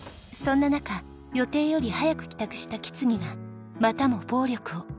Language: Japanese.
そんな中予定より早く帰宅した木次がまたも暴力を。